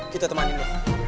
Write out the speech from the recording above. kita temanin dia